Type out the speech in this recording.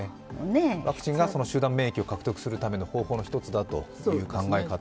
ワクチンが集団免疫を獲得するための方法の１つだという考え方。